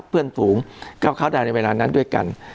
เพื่อนฝูงเข้าดาวนในเวลานั้นด้วยกัน